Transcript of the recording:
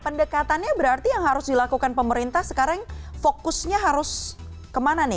pendekatannya berarti yang harus dilakukan pemerintah sekarang fokusnya harus kemana nih